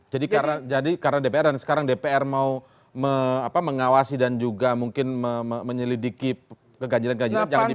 jadi karena dpr dan sekarang dpr mau mengawasi dan juga mungkin menyelidiki keganjilan keganjilan